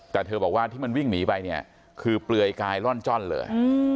แต่เธอบอกว่าที่มันวิ่งหนีไปเนี่ยคือเปลือยกายร่อนจ้อนเลย